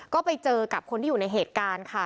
ก็ไปเจอกับคนที่อยู่ในเหตุการณ์ค่ะ